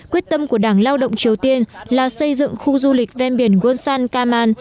quyết tâm của đảng lao động triều tiên là xây dựng khu du lịch ven biển wonsan kaman